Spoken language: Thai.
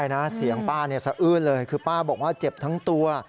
เนี่ยพอป้าคุยกับสหรือเจ็บทั้งตัว